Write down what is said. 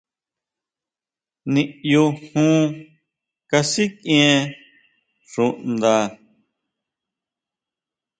Niʼyu jon kasikʼien xuʼnda.